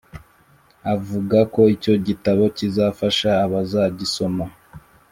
avuga ko icyo gitabo kizafasha abazagisoma